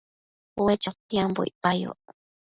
Ue chotiambo icpayoc